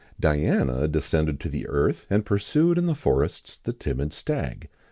[XIX 4] Diana descended to the earth, and pursued in the forests the timid stag.